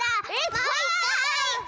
もう１かい！